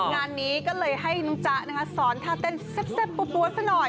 งานนี้ก็เลยให้น้องจ๊ะนะคะสอนท่าเต้นแซ่บปวดซะหน่อย